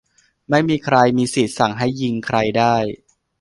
ไม่มีใครมีสิทธิ์สั่งให้ "ยิง" ใครได้